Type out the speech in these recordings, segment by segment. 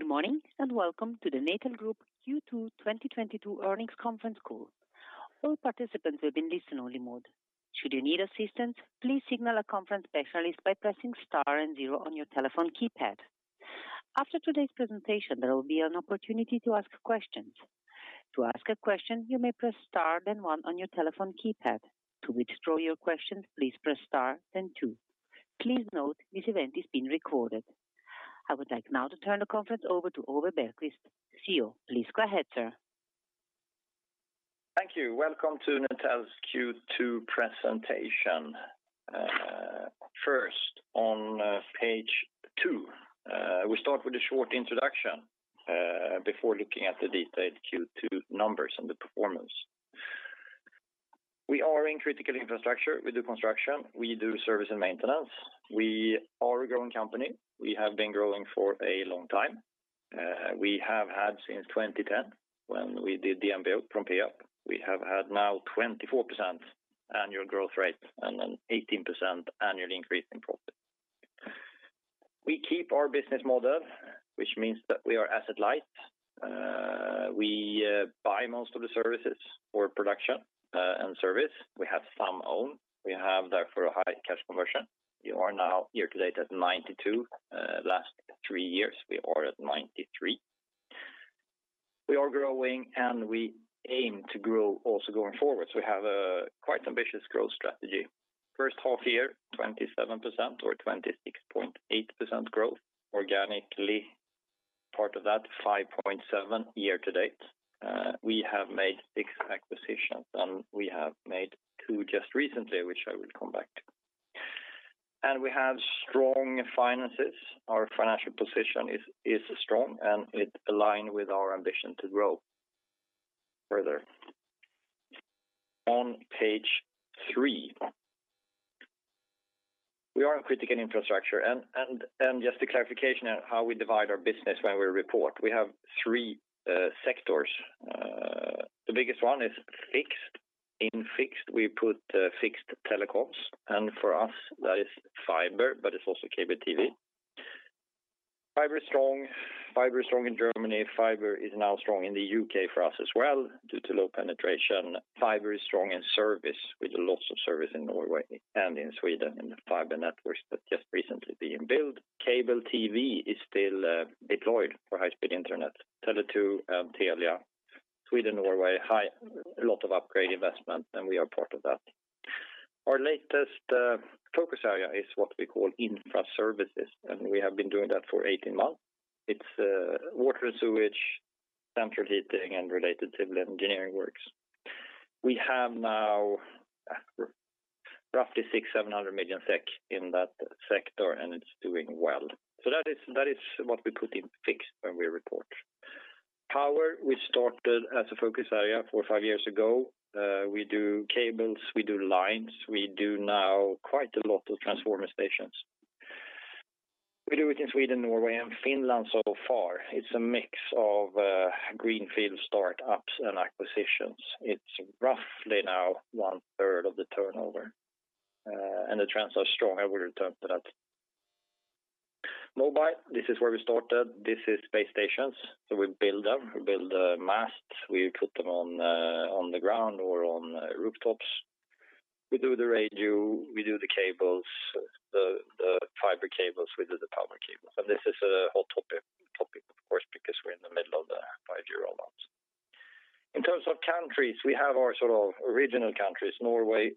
Good morning, and welcome to the Netel Group Q2 2022 Earnings Conference Call. All participants will be in listen only mode. Should you need assistance, please signal a conference specialist by pressing star and zero on your telephone keypad. After today's presentation, there will be an opportunity to ask questions. To ask a question, you may press star, then one on your telephone keypad. To withdraw your questions, please press star then two. Please note this event is being recorded. I would like now to turn the conference over to Ove Bergkvist, CEO. Please go ahead, sir. Thank you. Welcome to Netel's Q2 presentation. First, on page two, we start with a short introduction before looking at the detailed Q2 numbers and the performance. We are in critical infrastructure. We do construction, we do service and maintenance. We are a growing company. We have been growing for a long time. We have had since 2010, when we did the MBO from PUP. We have had now 24% annual growth rate and an 18% annual increase in profit. We keep our business model, which means that we are asset light. We buy most of the services for production and service. We have some owned. We have therefore a high cash conversion. We are now year to date at 92%. Last three years we are at 93%. We are growing, and we aim to grow also going forward. We have a quite ambitious growth strategy. First half year, 27% or 26.8% growth organically. Part of that, 5.7% year to date. We have made 6 acquisitions, and we have made 2 just recently, which I will come back to. We have strong finances. Our financial position is strong, and it aligns with our ambition to grow further. On page three, we are a critical infrastructure and just a clarification on how we divide our business when we report. We have 3 sectors. The biggest one is fixed. In fixed, we put fixed telecoms, and for us, that is fiber, but it's also cable TV. Fiber is strong. Fiber is strong in Germany. Fiber is now strong in the UK for us as well due to low penetration. Fiber is strong in service, with lots of service in Norway and in Sweden, in the fiber networks that just recently been built. Cable TV is still deployed for high speed internet. Tele2, Telia, Sweden, Norway, a lot of upgrade investment, and we are part of that. Our latest focus area is what we call Infraservices, and we have been doing that for 18 months. It's water and sewage, central heating, and related civil engineering works. We have now roughly 600 million-700 million SEK in that sector, and it's doing well. That is what we put in fixed when we report. Power, we started as a focus area four to five years ago. We do cables, we do lines. We do now quite a lot of transformer stations. We do it in Sweden, Norway, and Finland so far. It's a mix of greenfield startups and acquisitions. It's roughly now 1/3 of the turnover, and the trends are strong. I will return to that. Mobile, this is where we started. This is base stations. We build them, masts. We put them on the ground or on rooftops. We do the radio, we do the cables, the fiber cables. We do the power cables. This is a hot topic of course, because we're in the middle of the 5G roll out. In terms of countries, we have our sort of original countries, Norway,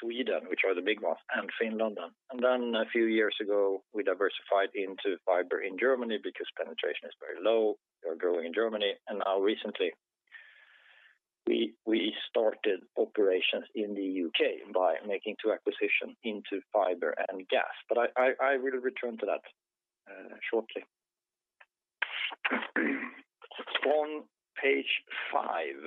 Sweden, which are the big ones, and Finland. Then a few years ago, we diversified into fiber in Germany because penetration is very low. We are growing in Germany. Now recently we started operations in the UK by making two acquisitions into fiber and gas. I will return to that shortly. On page five,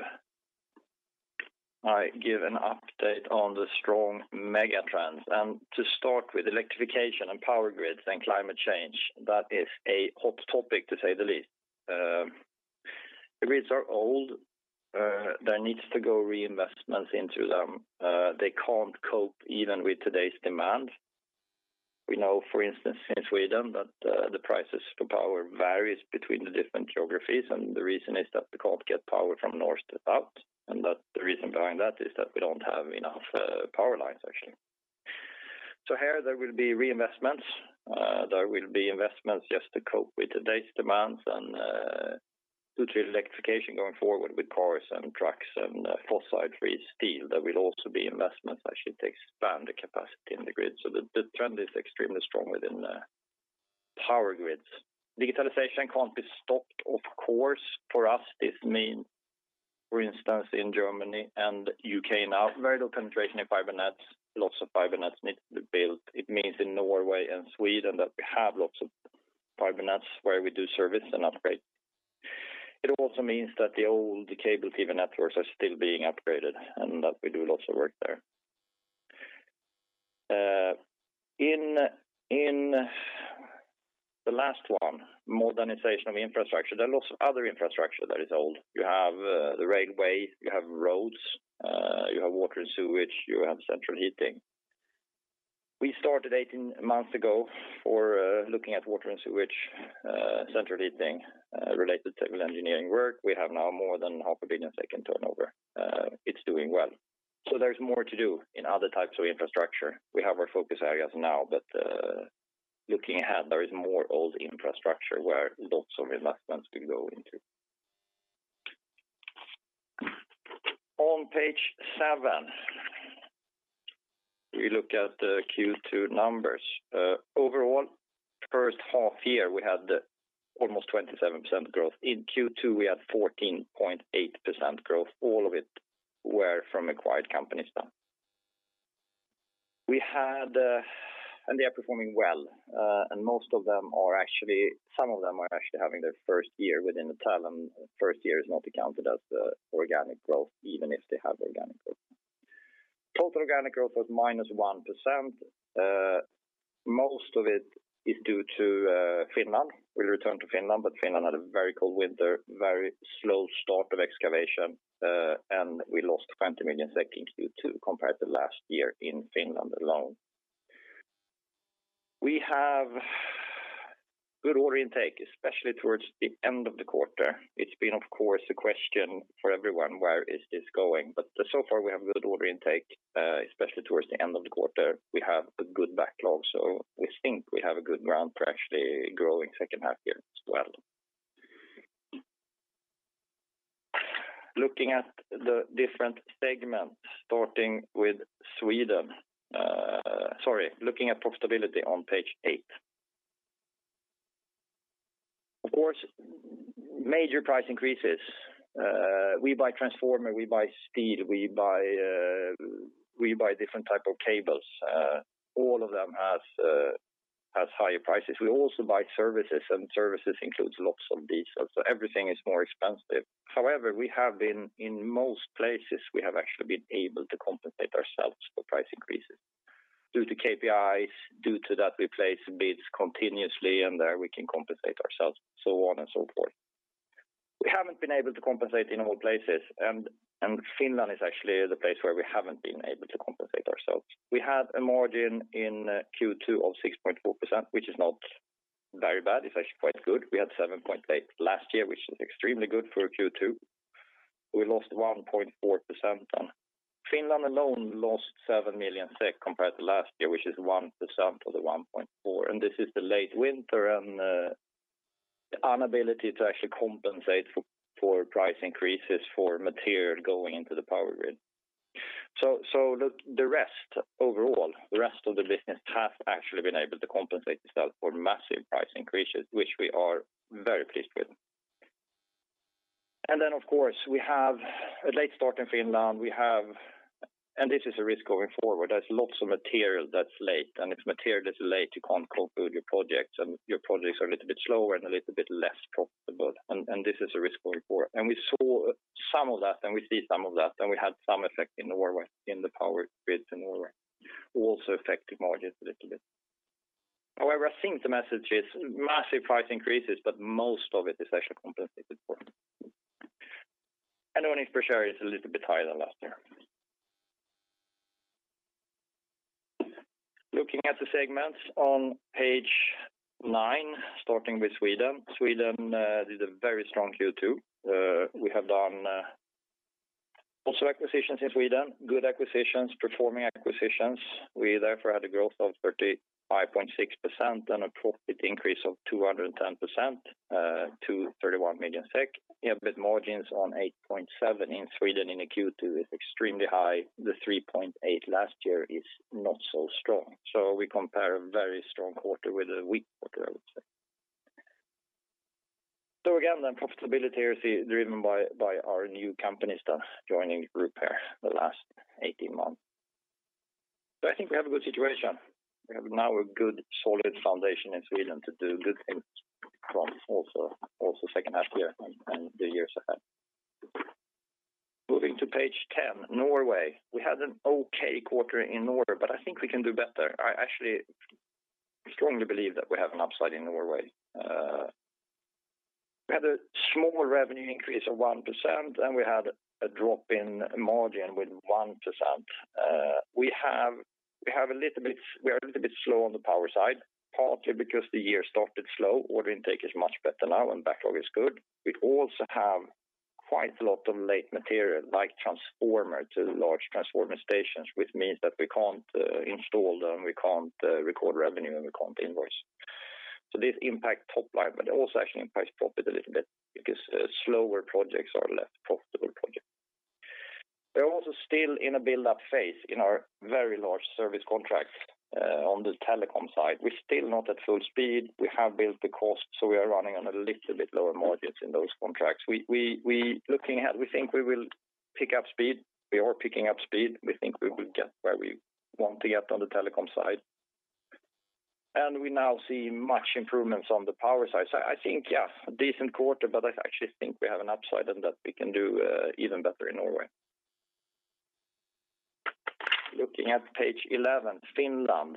I give an update on the strong megatrends. To start with electrification and power grids and climate change, that is a hot topic, to say the least. The grids are old. There needs to go reinvestments into them. They can't cope even with today's demand. We know, for instance, in Sweden, that the prices for power varies between the different geographies, and the reason is that we can't get power from north to south, and that the reason behind that is that we don't have enough power lines, actually. Here there will be reinvestments. There will be investments just to cope with today's demands and due to electrification going forward with cars and trucks and fossil-free steel. There will also be investments actually to expand the capacity in the grid. The trend is extremely strong within the power grids. Digitalization can't be stopped, of course. For us, this mean, for instance, in Germany and U.K. now, very low penetration in fiber nets. Lots of fiber nets need to be built. It means in Norway and Sweden that we have lots of fiber nets where we do service and upgrade. It also means that the old cable TV networks are still being upgraded and that we do lots of work there. In the last one, modernization of infrastructure, there are lots of other infrastructure that is old. You have the railway, you have roads, you have water and sewage, you have central heating. We started 18 months ago for looking at water and sewage, central heating, related to engineering work. We have now more than half a billion SEK in turnover. It's doing well. There's more to do in other types of infrastructure. We have our focus areas now, but looking ahead, there is more old infrastructure where lots of investments could go into. On page 7, we look at the Q2 numbers. Overall, first half year, we had almost 27% growth. In Q2, we had 14.8% growth. All of it were from acquired companies done. They are performing well. Some of them are actually having their first year within the Netel. First year is not counted as organic growth, even if they have organic growth. Total organic growth was -1%. Most of it is due to Finland. We return to Finland, but Finland had a very cold winter, very slow start of excavation, and we lost 20 million in Q2 compared to last year in Finland alone. We have good order intake, especially towards the end of the quarter. It's been, of course, a question for everyone, where is this going? So far, we have good order intake, especially towards the end of the quarter. We have a good backlog, so we think we have a good ground for actually growing second half year as well. Looking at the different segments, starting with Sweden. Sorry, looking at profitability on page 8. Of course, major price increases. We buy transformer, we buy speed, we buy different type of cables. All of them has higher prices. We also buy services, and services includes lots of diesel, so everything is more expensive. However, in most places, we have actually been able to compensate ourselves for price increases due to KPIs, due to that we place bids continuously, and there we can compensate ourselves, so on and so forth. We haven't been able to compensate in all places, and Finland is actually the place where we haven't been able to compensate ourselves. We had a margin in Q2 of 6.4%, which is not very bad. It's actually quite good. We had 7.8% last year, which is extremely good for a Q2. We lost 1.4% then. Finland alone lost 7 million SEK compared to last year, which is 1% of the 1.4. This is the late winter and the inability to actually compensate for price increases for material going into the power grid. Look, the rest overall, the rest of the business has actually been able to compensate itself for massive price increases, which we are very pleased with. Then, of course, we have a late start in Finland. This is a risk going forward. There's lots of material that's late, and it's material that's late, you can't conclude your projects, and your projects are a little bit slower and a little bit less profitable. This is a risk going forward. We saw some of that, and we see some of that, and we had some effect in Norway, in the power grids in Norway, also affected margins a little bit. However, I think the message is massive price increases, but most of it is actually compensated for. Our operating ratio is a little bit higher than last year. Looking at the segments on page 9, starting with Sweden. Sweden did a very strong Q2. We have done also acquisitions in Sweden, good acquisitions, performing acquisitions. We therefore had a growth of 35.6% and a profit increase of 210%, to 31 million SEK. Yeah, but margins on 8.7% in Sweden in a Q2 is extremely high. The 3.8% last year is not so strong. We compare a very strong quarter with a weak quarter, I would say. Again, the profitability is driven by our new companies that joined the group in the last 18 months. I think we have a good situation. We have now a good solid foundation in Sweden to do good things from also second half year and the years ahead. Moving to page 10, Norway. We had an okay quarter in Norway, but I think we can do better. I actually strongly believe that we have an upside in Norway. We had a small revenue increase of 1%, and we had a drop in margin of 1%. We are a little bit slow on the power side, partly because the year started slow. Order intake is much better now and backlog is good. We also have quite a lot of late material, like transformer to large transformer stations, which means that we can't install them, we can't record revenue, and we can't invoice. This impacts top line, but it also actually impacts profit a little bit because slower projects are less profitable projects. We're also still in a build-up phase in our very large service contract on the telecom side. We're still not at full speed. We have built the cost, so we are running on a little bit lower margins in those contracts. We are looking at, we think we will pick up speed. We are picking up speed. We think we will get where we want to get on the telecom side. We now see much improvements on the power side. I think, yeah, a decent quarter, but I actually think we have an upside and that we can do even better in Norway. Looking at page 11, Finland.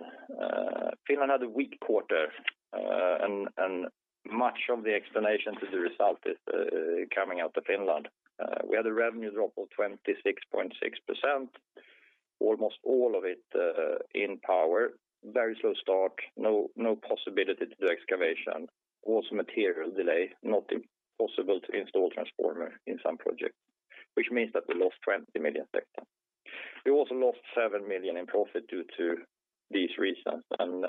Finland had a weak quarter, and much of the explanation to the result is coming out of Finland. We had a revenue drop of 26.6%. Almost all of it in power, very slow start, no possibility to do excavation. Also material delay, not possible to install transformer in some projects, which means that we lost 20 million. We also lost 7 million in profit due to these reasons, and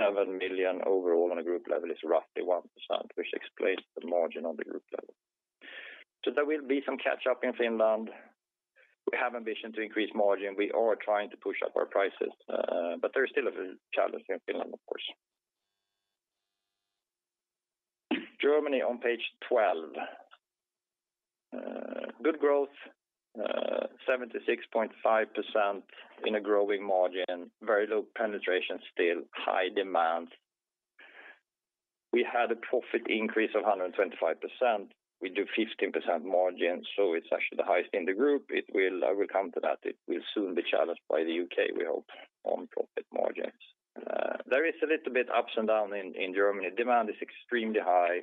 7 million overall on a group level is roughly 1%, which explains the margin on the group level. There will be some catch-up in Finland. We have ambition to increase margin. We are trying to push up our prices, but there's still a challenge in Finland, of course. Germany on page 12. Good growth, 76.5% in a growing margin. Very low penetration still, high demand. We had a profit increase of 125%. We do 15% margin, so it's actually the highest in the group. I will come to that. It will soon be challenged by the UK, we hope, on profit margins. There is a little bit ups and downs in Germany. Demand is extremely high.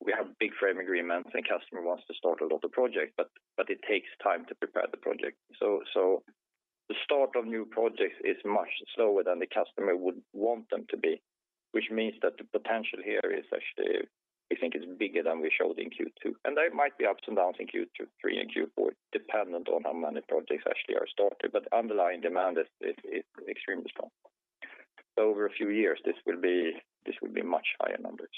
We have big frame agreements, and customer wants to start a lot of projects, but it takes time to prepare the project. The start of new projects is much slower than the customer would want them to be, which means that the potential here is actually, we think it's bigger than we showed in Q2. There might be ups and downs in Q2, Q3, and Q4, dependent on how many projects actually are started, but underlying demand is extremely strong. Over a few years, this will be much higher numbers.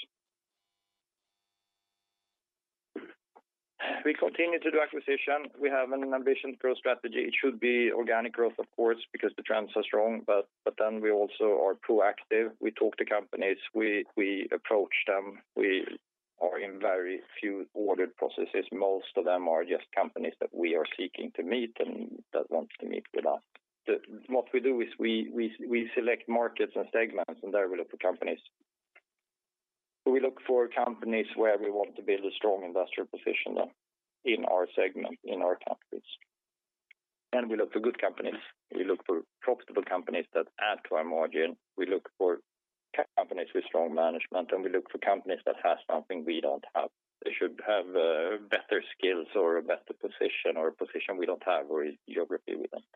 We continue to do acquisition. We have an ambitious growth strategy. It should be organic growth, of course, because the trends are strong, but then we also are proactive. We talk to companies. We approach them. We are in very few ordered processes. Most of them are just companies that we are seeking to meet and that want to meet with us. What we do is we select markets and segments, and there we look for companies. We look for companies where we want to build a strong industrial position in our segment, in our countries. We look for good companies. We look for profitable companies that add to our margin. We look for companies with strong management, and we look for companies that have something we don't have. They should have better skills or a better position or a position we don't have or geography we don't.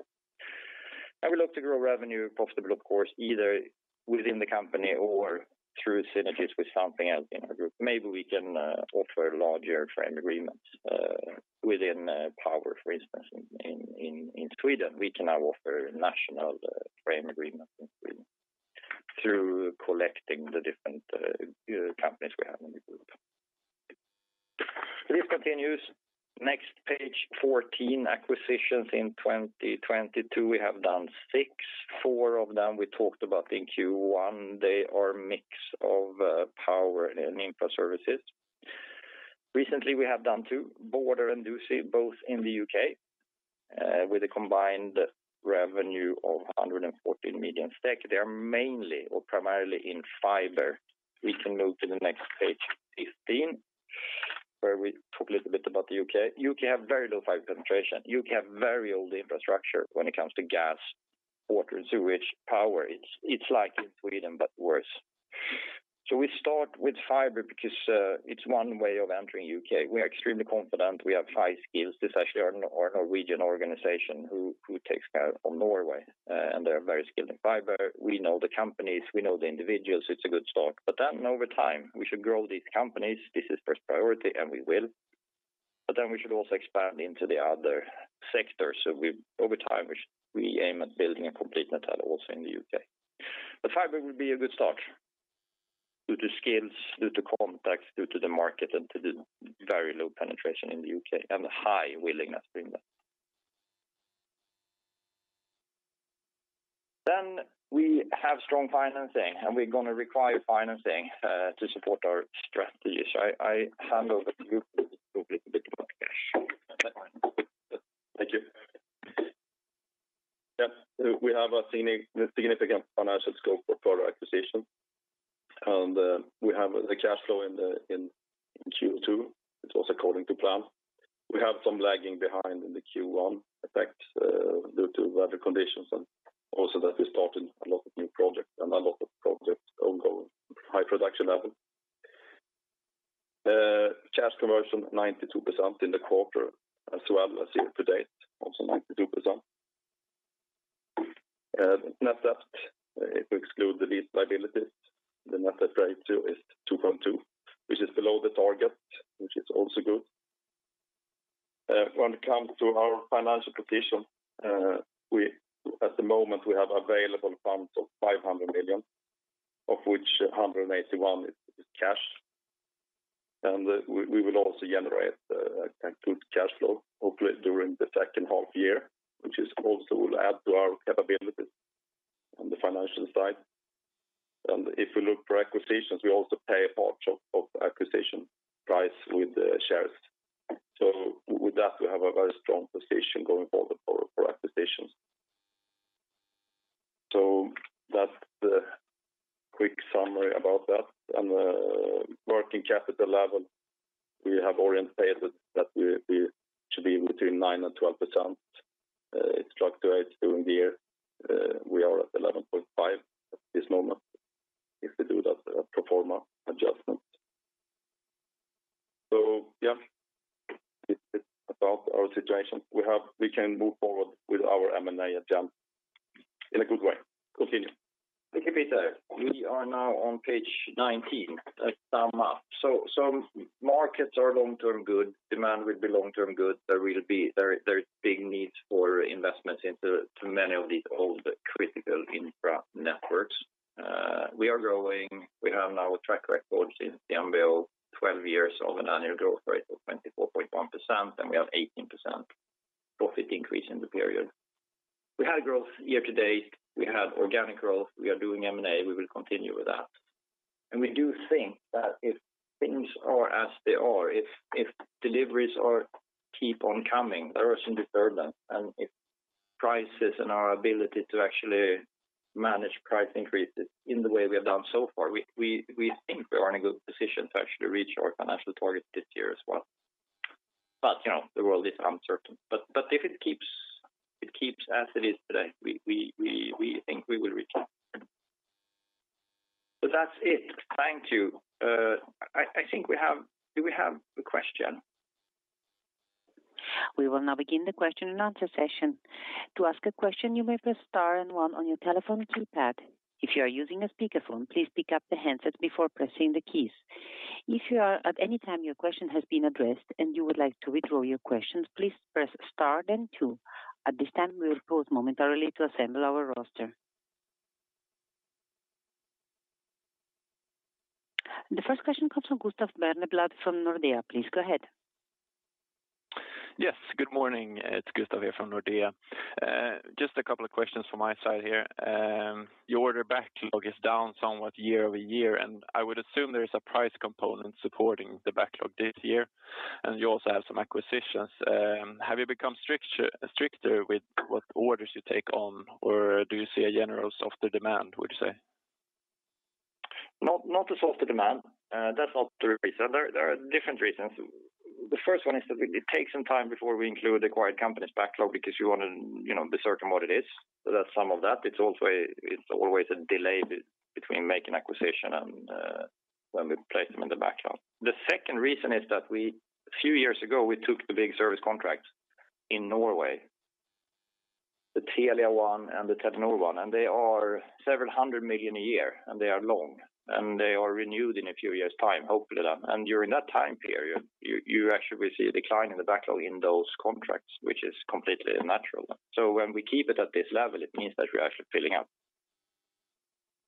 We look to grow revenue profitable, of course, either within the company or through synergies with something else in our group. Maybe we can offer larger frame agreements within Power, for instance, in Sweden. We can now offer national frame agreement in Sweden through collecting the different companies we have in the group. This continues. Next page 14, acquisitions in 2022, we have done 6. 4 of them we talked about in Q1. They are a mix of power and Infraservices. Recently, we have done 2, Border and Doocey, both in the U.K., with a combined revenue of 114 million. They are mainly or primarily in fiber. We can move to the next page, 15, where we talk a little bit about the U.K. U.K. have very low fiber penetration. U.K. have very old infrastructure when it comes to gas, water, sewage, power. It's like in Sweden, but worse. We start with fiber because it's one way of entering U.K. We are extremely confident. We have high skills. This is actually our Norwegian organization who takes care of Norway, and they're very skilled in fiber. We know the companies, we know the individuals. It's a good start. Over time, we should grow these companies. This is first priority, and we will. We should also expand into the other sectors. Over time, we aim at building a complete Netel also in the UK. Fiber will be a good start due to skills, due to contacts, due to the market, and to the very low penetration in the UK and the high willingness to invest. We have strong financing, and we're gonna require financing to support our strategies. I hand over to you to talk a little bit about cash. Thank you. Yeah. We have a significant financial scope for further acquisition. We have the cash flow in Q2. It was according to plan. We have some lagging behind in the Q1 effect due to weather conditions and also that we started a lot of new projects and a lot of projects ongoing, high production level. Cash conversion 92% in the quarter as well as year to date, also 92%. Net debt, if we exclude the lease liabilities, the net debt ratio is 2.2, which is below the target, which is also good. When it comes to our financial position, at the moment, we have available funds of 500 million, of which 181 is cash. We will also generate a good cash flow, hopefully during the second half year, which will also add to our capabilities on the financial side. If we look for acquisitions, we also pay a part of acquisition price with the shares. With that, we have a very strong position going forward for acquisitions. That's the quick summary about that. Working capital level, we have indicated that we should be between 9% and 12%. It fluctuates during the year. We are at 11.5% at this moment if we do that pro forma adjustment. Yeah, it's about our situation. We can move forward with our M&A agenda in a good way. Continue. Thank you, Peter. We are now on page 19, a sum up. Markets are long-term good. Demand will be long-term good. There is big needs for investments into many of these old critical infra networks. We are growing. We have now a track record since the unveil 12 years of an annual growth rate of 24.1%, and we have 18% profit increase in the period. We had growth year-to-date. We have organic growth. We are doing M&A. We will continue with that. We do think that if things are as they are, if deliveries keep on coming, there is in the third line, and if prices and our ability to actually manage price increases in the way we have done so far, we think we are in a good position to actually reach our financial target this year as well. You know, the world is uncertain. If it keeps as it is today, we think we will reach it. That's it. Thank you. I think we have. Do we have a question? We will now begin the question and answer session. To ask a question, you may press star and one on your telephone keypad. If you are using a speakerphone, please pick up the handsets before pressing the keys. If at any time your question has been addressed and you would like to withdraw your questions, please press star then two. At this time, we will pause momentarily to assemble our roster. The first question comes from Gustav Berneblad from Nordea. Please go ahead. Yes. Good morning. It's Gustav here from Nordea. Just a couple of questions from my side here. Your order backlog is down somewhat year over year, and I would assume there is a price component supporting the backlog this year, and you also have some acquisitions. Have you become stricter with what orders you take on, or do you see a general softer demand, would you say? Not a softer demand. That's not the reason. There are different reasons. The first one is that it takes some time before we include acquired companies backlog because you want to, you know, be certain what it is. So that's some of that. It's always a delay between making acquisition and when we place them in the backlog. The second reason is that a few years ago, we took the big service contract in Norway, the Telia one and the Telenor one, and they are several hundred million SEK a year, and they are long, and they are renewed in a few years' time, hopefully. During that time period, you actually will see a decline in the backlog in those contracts, which is completely natural. So when we keep it at this level, it means that we're actually filling up.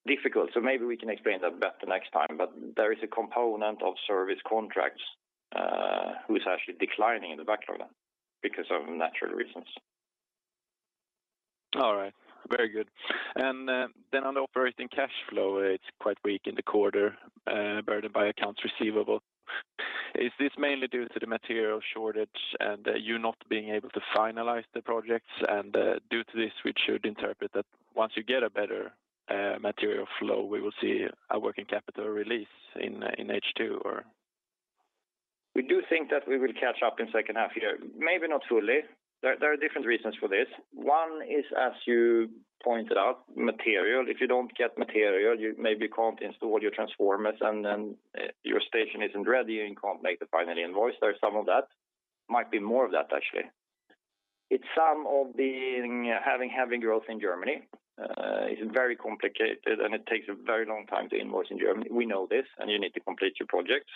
Maybe we can explain that better next time. There is a component of service contracts, who is actually declining in the backlog because of natural reasons. All right. Very good. Then on the operating cash flow, it's quite weak in the quarter, burdened by accounts receivable. Is this mainly due to the material shortage and you not being able to finalize the projects? Due to this, we should interpret that once you get a better material flow, we will see a working capital release in H2, or? We do think that we will catch up in second half year. Maybe not fully. There are different reasons for this. One is, as you pointed out, material. If you don't get material, you maybe can't install your transformers, and then your station isn't ready, and you can't make the final invoice. There's some of that. Might be more of that, actually. It's some of the having growth in Germany. It's very complicated, and it takes a very long time to invoice in Germany. We know this, and you need to complete your projects.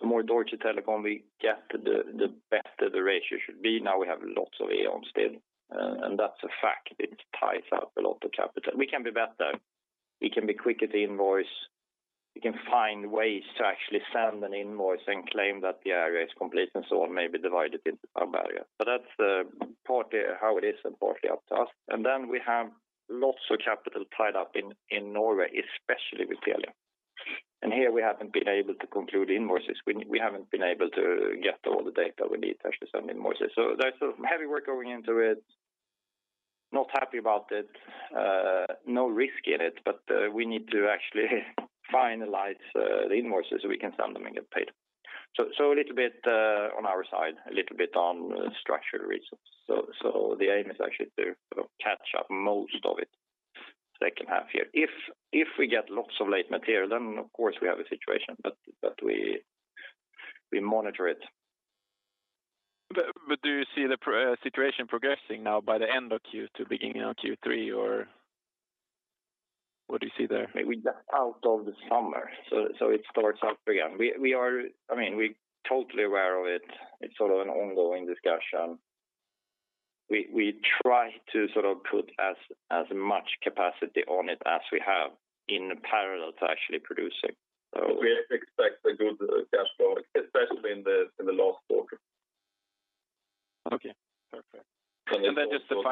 The more Deutsche Telekom we get, the better the ratio should be. Now we have lots of E.ON still, and that's a fact. It ties up a lot of capital. We can be better. We can be quicker to invoice. We can find ways to actually send an invoice and claim that the area is complete and so on, maybe divide it into some area. That's partly how it is and partly up to us. We have lots of capital tied up in Norway, especially with Telia. Here we haven't been able to conclude invoices. We haven't been able to get all the data we need to actually send invoices. There's a heavy work going into it. Not happy about it. No risk in it, but we need to actually finalize the invoices so we can send them and get paid. A little bit on our side, a little bit on structural reasons. The aim is actually to sort of catch up most of it second half year. If we get lots of late material, then of course we have a situation, but we monitor it. Do you see the situation progressing now by the end of Q2, beginning of Q3, or what do you see there? Maybe just out of the summer. It starts up again. We are. I mean, we're totally aware of it. It's sort of an ongoing discussion. We try to sort of put as much capacity on it as we have in parallel to actually producing. We expect a good cash flow, especially in the last quarter. Okay, perfect. Okay. Okay. Okay. Yeah. Just the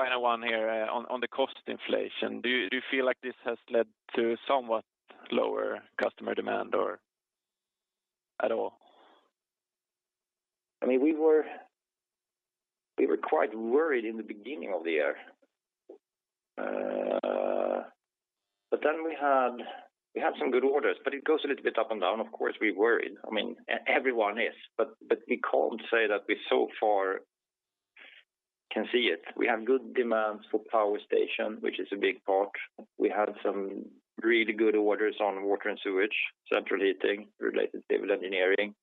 final one here. On the cost inflation, do you feel like this has led to somewhat lower customer demand or at all? I mean, we were quite worried in the beginning of the year. We had some good orders, but it goes a little bit up and down. Of course, we worried. I mean, everyone is, but we can't say that we so far can see it. We have good demands for Power, which is a big part. We have some really good orders on water and sewage, central heating, related civil engineering.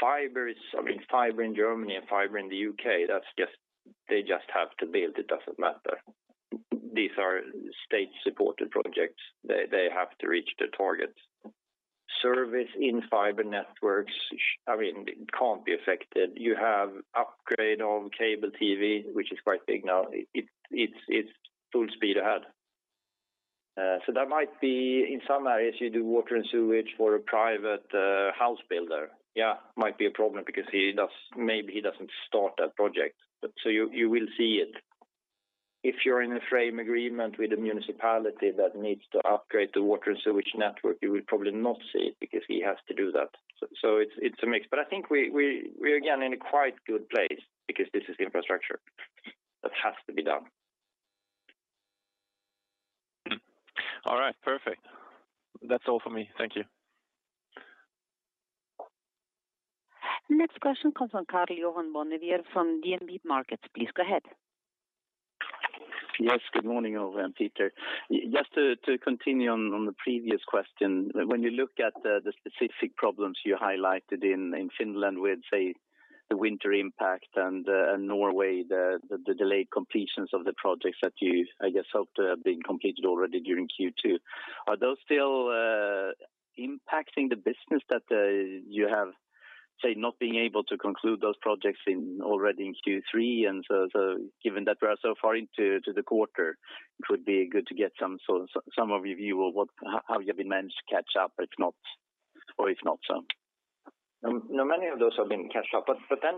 Fiber is I mean, fiber in Germany and fiber in the UK, that's just they just have to build, it doesn't matter. These are state-supported projects. They have to reach the target. Service in fiber networks I mean, it can't be affected. We have upgrade on cable TV, which is quite big now. It's full splices ahead. That might be in some areas, you do water and sewage for a private house builder. Yeah, might be a problem because maybe he doesn't start that project. You will see it. If you're in a frame agreement with the municipality that needs to upgrade the water and Sewage Network, you will probably not see it because he has to do that. It's a mix. I think we're again in a quite good place because this is infrastructure that has to be done. All right, perfect. That's all for me. Thank you. Next question comes from Karl-Johan Bonnevier from DNB Markets. Please go ahead. Yes. Good morning, Ove and Peter. Just to continue on the previous question. When you look at the specific problems you highlighted in Finland with, say, the winter impact and Norway, the delayed completions of the projects that you, I guess, hoped to have been completed already during Q2. Are those still impacting the business that you have, say, not being able to conclude those projects already in Q3? Given that we are so far into the quarter, it would be good to get some sort of summary view of what how you have managed to catch up, or it's not, or it's not so. No, many of those have been caught up.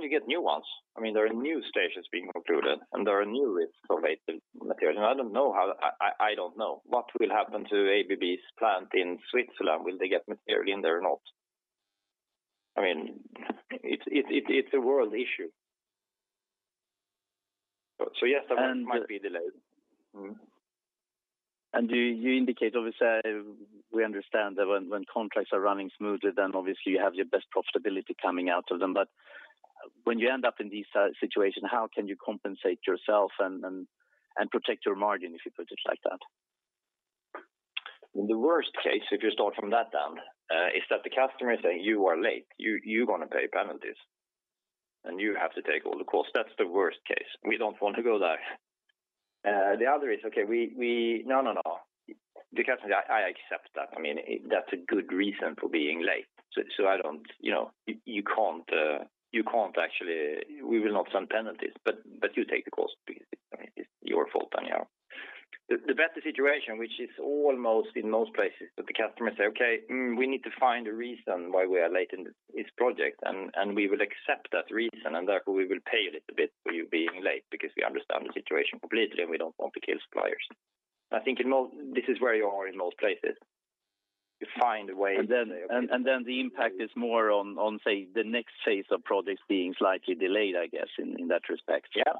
You get new ones. I mean, there are new stations being concluded, and there are new risk related materials. I don't know what will happen to ABB's plant in Switzerland. Will they get material in there or not? I mean, it's a world issue. Yes, that one might be delayed. You indicate, obviously, we understand that when contracts are running smoothly, then obviously you have your best profitability coming out of them. When you end up in this situation, how can you compensate yourself and protect your margin, if you put it like that? In the worst case, if you start from the downside, is that the customer is saying, "You are late, you gonna pay penalties, and you have to take all the costs." That's the worst case. We don't want to go there. The other is, okay, "No, no. The customer, I accept that." I mean, that's a good reason for being late. You know, you can't actually. We will not sign penalties, but you take the cost because, I mean, it's your fault anyhow." The better situation, which is almost in most places, that the customer say, "Okay, we need to find a reason why we are late in this project, and we will accept that reason, and therefore, we will pay a little bit for you being late because we understand the situation completely, and we don't want to kill suppliers." I think in most, this is where you are in most places. You find a way. The impact is more on, say, the next phase of projects being slightly delayed, I guess, in that respect. Yeah.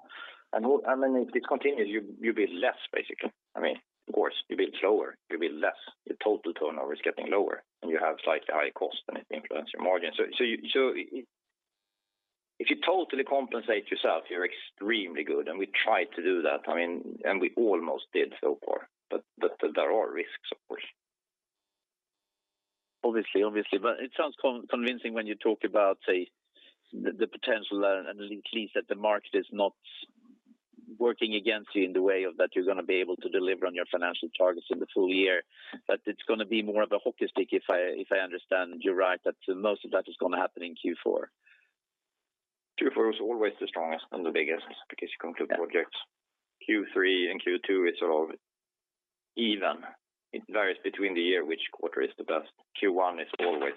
Then if it continues, you build less, basically. I mean, of course, you build slower, you build less. Your total turnover is getting lower, and you have slightly higher cost, and it influences your margin. If you totally compensate yourself, you're extremely good, and we try to do that. I mean, we almost did so far, but there are risks, of course. Obviously. It sounds convincing when you talk about, say, the potential and at least that the market is not working against you in the way that you're gonna be able to deliver on your financial targets in the full year. It's gonna be more of a hockey stick, if I understand you right, that most of that is gonna happen in Q4. Q4 is always the strongest and the biggest because you conclude projects. Q3 and Q2 is all even. It varies between the year which quarter is the best. Q1 is always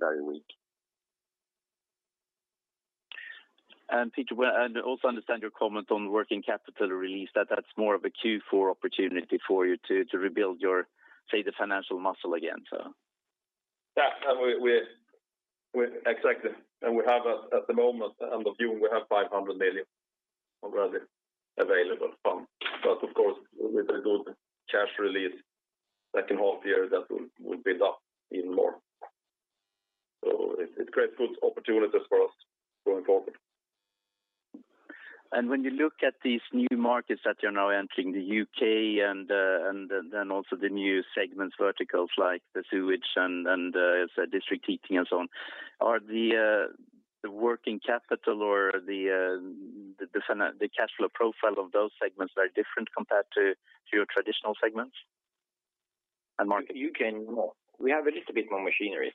very weak. Peter, well, I also understand your comment on working capital release, that that's more of a Q4 opportunity for you to rebuild your, say, the financial muscle again, so. Yeah. Exactly. We have, at the moment, end of June, we have 500 million already available fund. Of course, with a good cash release second half year, that will build up even more. It creates good opportunities for us going forward. When you look at these new markets that you're now entering, the UK and then also the new segments verticals like the sewage and district heating and so on. Are the working capital or the cash flow profile of those segments very different compared to your traditional segments and market? U.K. more. We have a little bit more machinery,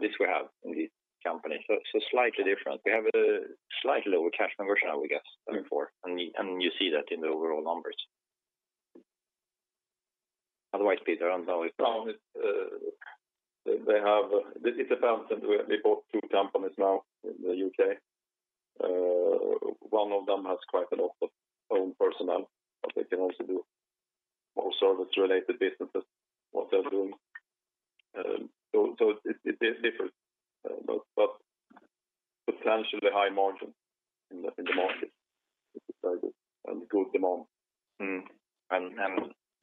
this we have in this company. Slightly different. We have a slightly lower cash conversion, I would guess, looking for. You see that in the overall numbers. Otherwise, Peter, I don't know it. No, it's. It depends. We bought two companies now in the UK. One of them has quite a lot of own personnel, but they can also do more service-related businesses, what they're doing. It is different. Potentially high margin in the market. It is very good and good demand.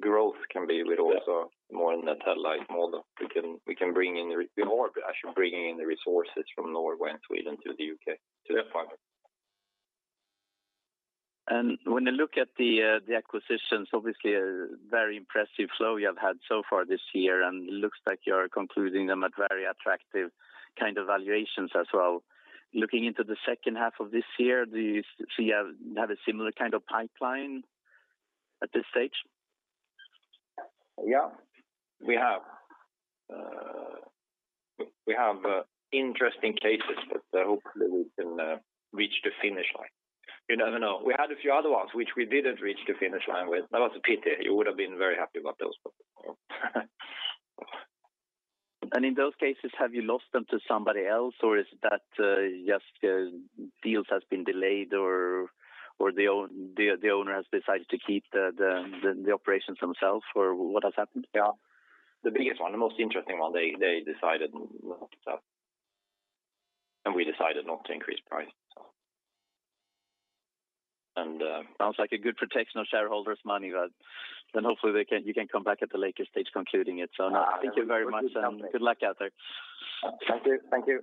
Growth can be with also more in that asset-light model. We're more actually bringing in the resources from Norway and Sweden to the UK to the fiber. Yeah. When I look at the acquisitions, obviously a very impressive flow you have had so far this year, and looks like you're concluding them at very attractive kind of valuations as well. Looking into the second half of this year, do you see you have a similar kind of pipeline at this stage? Yeah, we have interesting cases, but hopefully we can reach the finish line. You never know. We had a few other ones which we didn't reach the finish line with. That was a pity. You would have been very happy about those, but. In those cases, have you lost them to somebody else, or is that just deals has been delayed or the owner has decided to keep the operations themselves, or what has happened? Yeah. The biggest one, the most interesting one, they decided not to sell. We decided not to increase price, so. Sounds like a good protection of shareholders' money, but then hopefully you can come back at the later stage concluding it. Thank you very much and good luck out there. Thank you. Thank you.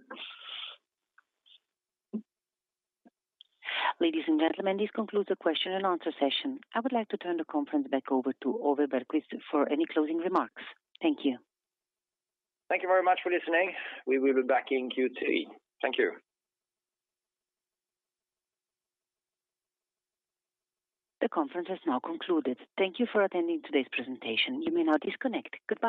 Ladies and gentlemen, this concludes the question and answer session. I would like to turn the conference back over to Ove Bergkvist for any closing remarks. Thank you. Thank you very much for listening. We will be back in Q3. Thank you. The conference has now concluded. Thank you for attending today's presentation. You may now disconnect. Goodbye.